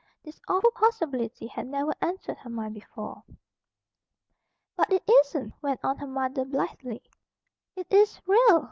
This awful possibility had never entered her mind before. "But it isn't," went on her mother blithely. "It is real. Mr.